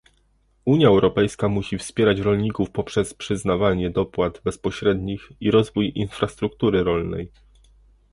Unia Europejska musi wspierać rolników poprzez przyznawanie dopłat bezpośrednich i rozwój infrastruktury rolnej